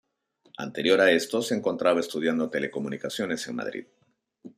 Anterior a esto se encontraba estudiando telecomunicaciones en Madrid.